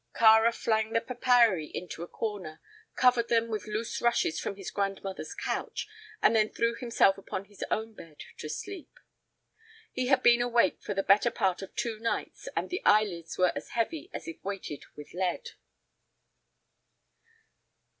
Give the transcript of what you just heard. Kāra flung the papyri into a corner, covered them with loose rushes from his grandmother's couch, and then threw himself upon his own bed to sleep. He had been awake the better part of two nights, and his eyelids were as heavy as if weighted with lead.